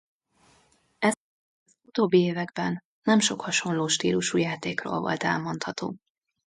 Ez pedig az utóbbi években nem sok hasonló stílusú játékról volt elmondható.